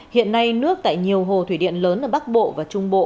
hiện nay nước tại nhiều hồ thủy điện lớn ở bắc bộ và trung bộ